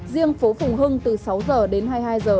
riêng phố phùng hưng từ sáu giờ đến hai mươi hai h